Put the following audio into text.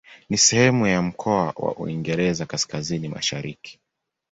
Ni sehemu ya mkoa wa Uingereza Kaskazini-Mashariki.